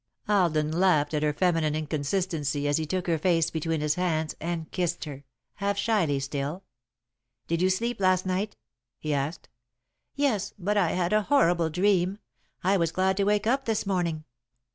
Alden laughed at her feminine inconsistency, as he took her face between his hands and kissed her, half shyly still. "Did you sleep last night?" he asked. "Yes, but I had a horrible dream. I was glad to wake up this morning."